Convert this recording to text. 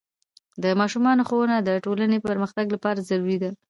د ماشومانو ښوونه د ټولنې پرمختګ لپاره ضروري ده.